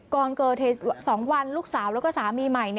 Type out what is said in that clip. ก่อนเกิดเหตุ๒วันลูกสาวแล้วก็สามีใหม่